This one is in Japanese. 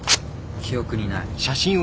記憶にない。